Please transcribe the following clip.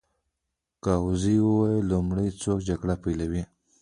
ګاووزي وویل: لومړی څوک جګړه پېلوي؟